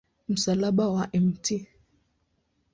Msalaba wa Mt.